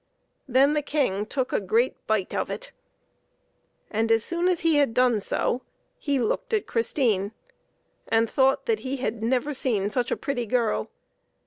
Then the King took a great bite of it, and as soon as he had done so he looked at Christine and thought that he had never seen such a pretty girl.